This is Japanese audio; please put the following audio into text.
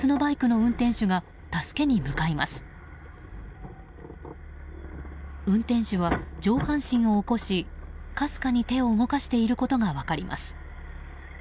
運転手は上半身を起こしかすかに手を動かしていることが分かります。